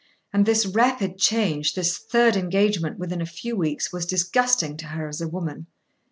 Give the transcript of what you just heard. And this rapid change, this third engagement within a few weeks, was disgusting to her as a woman.